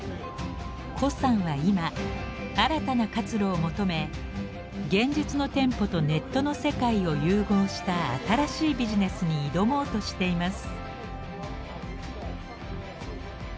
胡さんは今新たな活路を求め現実の店舗とネットの世界を融合した新しいビジネスに挑もうとしています。